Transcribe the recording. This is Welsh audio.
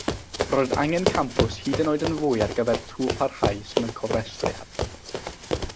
Roedd angen campws hyd yn oed yn fwy ar gyfer twf parhaus mewn cofrestriad.